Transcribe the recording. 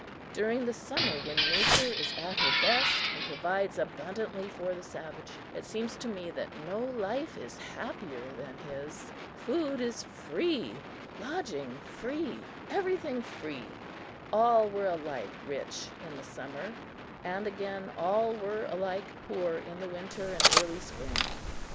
During the summer, when Nature is at her best, and provides abundantly for the savage, it seems to me that no life is happier than his! Food is free lodging free everything free! All were alike rich in the summer, and, again, all were alike poor in the winter and early spring.